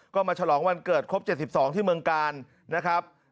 ก็มาฉลองวันเกิดครบ๗๒ที่เมืองกาลนะครับ